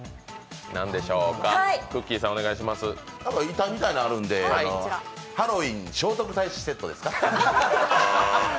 板みたいなのあるんで、ハロウィンの聖徳太子セットですか？